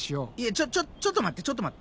ちょちょちょっと待ってちょっと待って。